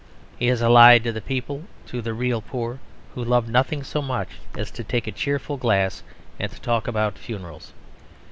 He is allied to the people, to the real poor, who love nothing so much as to take a cheerful glass and to talk about funerals.